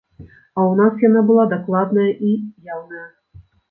А ў нас яна была дакладная і яўная.